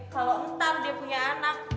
kalau ntar dia punya anak